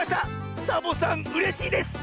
サボさんうれしいです！